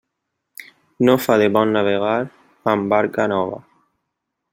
No fa de bon navegar amb barca nova.